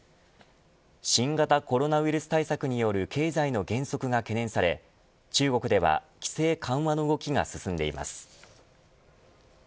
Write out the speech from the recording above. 新型コロナウイルス対策による経済の減速が懸念され中国では規制緩和の動きが進んでいます。